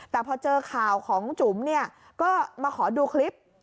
แต่พอเจอข่าวของจุ๋มเนี่ยก็มาขอดูคลิป